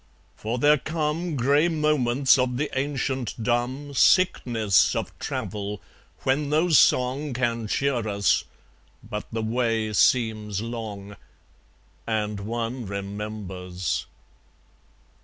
For there come Grey moments of the antient dumb Sickness of travel, when no song Can cheer us; but the way seems long; And one remembers.